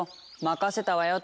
任せたわよ